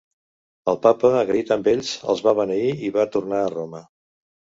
El papa agraït amb ells els va beneir i va tornar a Roma.